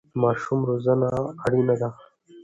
ماشوم روزنه اړینه ده.